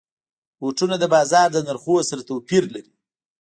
بوټونه د بازار د نرخونو سره توپیر لري.